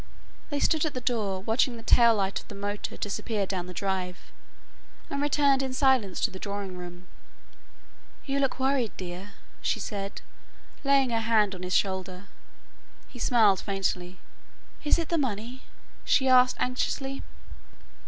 They stood at the door, watching the tail light of the motor disappear down the drive; and returned in silence to the drawing room. "You look worried, dear," she said, laying her hand on his shoulder. He smiled faintly. "Is it the money?" she asked anxiously.